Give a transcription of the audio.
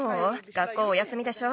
学校お休みでしょ。